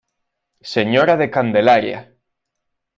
Sra de Candelaria.